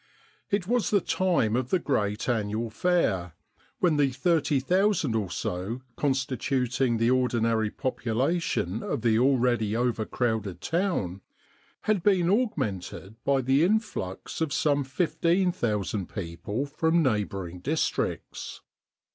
It was the time of the great annual fair, when the 30,000 or so constituting the ordinary popu lation of the already overcrowded town had been augmented by the influx of some 15,000 people from neighbouring districts.